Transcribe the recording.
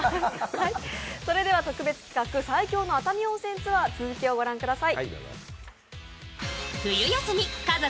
特別企画、最強の熱海温泉ツアー、続きを御覧ください。